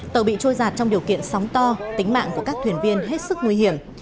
trong điều kiện sóng to tính mạng của các thuyền viên hết sức nguy hiểm